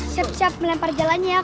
siap siap melempar jalannya